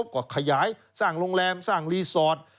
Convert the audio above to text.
ก็ขยายสร้างโรงแรมสร้างรีสอร์ท